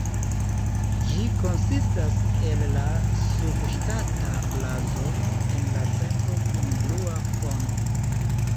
Ĝi konsistas el la subŝtata blazono en la centro kun blua fono.